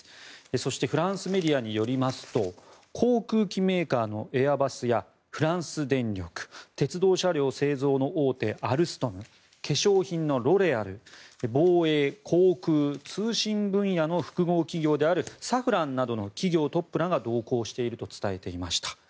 そしてフランスメディアによりますと航空機メーカーのエアバスやフランス電力鉄道車両製造の大手アルストム化粧品のロレアル防衛・航空・通信分野の複合企業であるサフランなどの企業トップらが同行していると伝えていました。